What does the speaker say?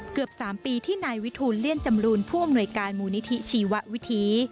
เกือบ๓ปีที่นายวิทูลเลี่ยนจำรูนผู้อำนวยการมูลนิธิชีววิธี